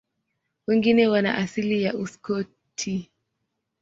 Wengi wana asili ya Uskoti.